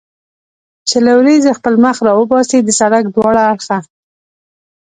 چې له ورېځې خپل مخ را وباسي، د سړک دواړه اړخه.